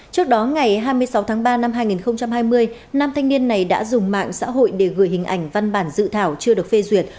trước đó ngày hai mươi sáu tháng ba năm hai nghìn hai mươi nam thanh niên này đã dùng mạng xã hội để gửi hình ảnh văn bản dự thảo chưa được phê duyệt